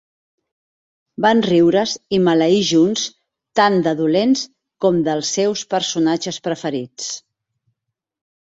Van riure's i maleir junts tant de dolents com dels seus personatges preferits.